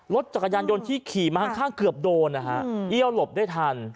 รถจักรยานยนต์ที่ขี่มาข้างเกือบโดนนะฮะเอี้ยวหลบได้ทัน